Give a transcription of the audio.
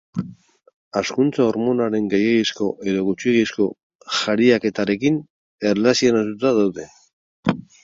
Hazkuntza hormonaren gehiegizko edo gutxiegizko jariaketarekin erlazionatuta daude.